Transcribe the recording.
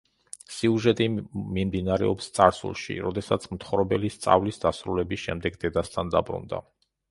სიუჟეტი მიმდინარეობს წარსულში, როდესაც მთხრობელი სწავლის დასრულების შემდეგ დედასთან დაბრუნდა.